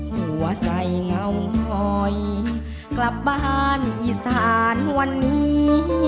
หัวใจเงาหอยกลับบ้านอีสานวันนี้